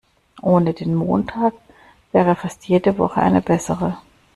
Ohne den Montag wäre fast jede Woche eine bessere.